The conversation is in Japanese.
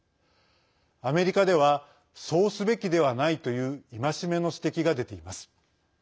アメリカではそうすべきではないという戒めの指摘が出ています。